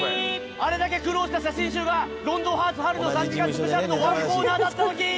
あれだけ苦労した写真集が『ロンドンハーツ』春の３時間スペシャルの１コーナーだったときー！